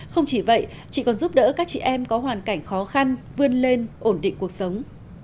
không chỉ vậy chị còn giúp đỡ các chị em có hoàn cảnh khó khăn vươn lên ổn định cuộc sống